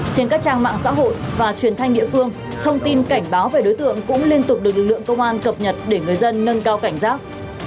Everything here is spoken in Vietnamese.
trên các trang mạng xã hội và truyền thanh địa phương thông tin cảnh báo về đối tượng cũng liên tục được lực lượng công an cập nhật để người dân nâng cao cảnh giác